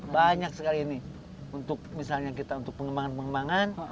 banyak sekali ini untuk misalnya kita untuk pengembangan pengembangan